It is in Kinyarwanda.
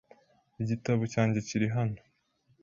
Igitabo cyanjye kiri hano .